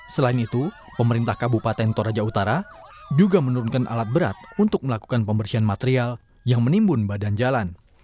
selain itu pemerintah kabupaten toraja utara juga menurunkan alat berat untuk melakukan pembersihan material yang menimbun badan jalan